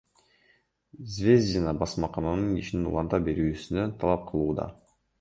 Звездина басмакананын ишин уланта берүүсүн талап кылууда.